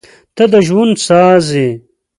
• ته د ژوندون ساز یې.